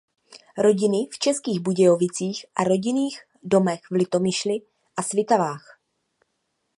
Rodiny v Českých Budějovicích a rodinných domech v Litomyšli a Svitavách.